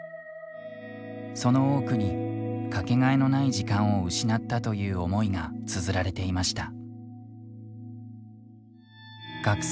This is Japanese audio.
その多くにかけがえのない時間を失ったという思いがつづられていました。